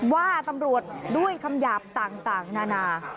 ว่าตำรวจด้วยคำหยาบต่างนานา